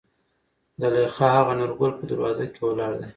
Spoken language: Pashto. زليخا : هغه نورګل په دروازه کې ولاړ دى.